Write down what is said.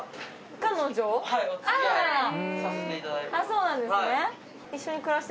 そうなんですね。